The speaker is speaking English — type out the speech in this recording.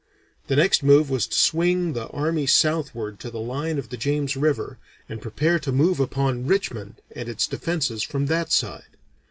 The next move was to swing the army southward to the line of the James River and prepare to move upon Richmond and its defences from that side.